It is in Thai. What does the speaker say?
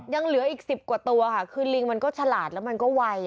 ยังเหลืออีก๑๐กว่าตัวค่ะคือลิงมันก็ฉลาดแล้วมันก็ไว